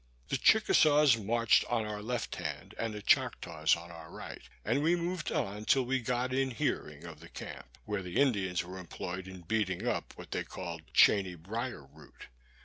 The Chickasaws marched on our left hand, and the Choctaws on our right, and we moved on till we got in hearing of the camp, where the Indians were employed in beating up what they called chainy briar root.